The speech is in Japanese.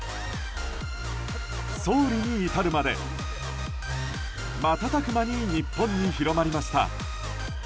総理に至るまで瞬く間に日本に広がりました。